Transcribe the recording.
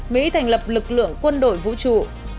mỹ thành lập lực lượng quân đội vũ trụ